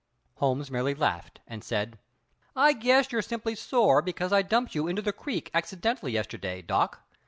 Holmes merely laughed and said: "I guess you're simply sore because I dumped you into the creek accidentally yesterday, Doc.